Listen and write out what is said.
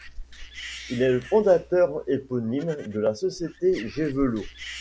Il est le fondateur éponyme de la société Gévelot.